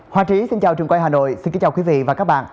hòa trí xin chào trường quay hà nội xin kính chào quý vị và các bạn